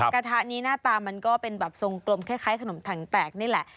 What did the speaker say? กระทะนี้หน้าตามันก็เป็นแบบทรงกลมคล้ายขนมถังแตกนี่แหละ